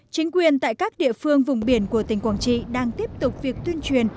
chính quyền tại các địa phương vùng biển của tỉnh quảng trị đang tiếp tục việc tuyên truyền